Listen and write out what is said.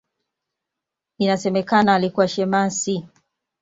Inasemekana alikuwa shemasi.